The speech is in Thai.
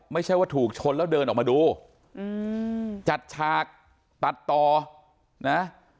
ไม่ใช่ว่าถูกชนแล้วเดินออกมาดูอืมจัดฉากตัดต่อนะ